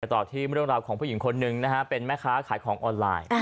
ต่อที่เรื่องราวของผู้หญิงคนหนึ่งนะฮะเป็นแม่ค้าขายของออนไลน์